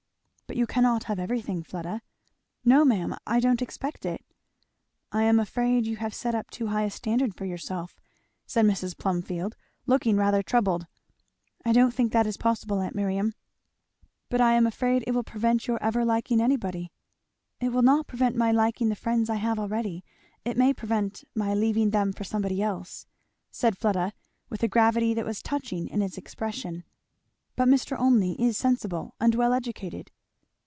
"But you cannot have everything, Fleda." "No ma'am I don't expect it." "I am afraid you have set up too high a standard for yourself," said Mrs. Plumfield, looking rather troubled. "I don't think that is possible, aunt Miriam." "But I am afraid it will prevent your ever liking anybody?" "It will not prevent my liking the friends I have already it may prevent my leaving them for somebody else," said Fleda, with a gravity that was touching in its expression. "But Mr. Olmney is sensible, and well educated."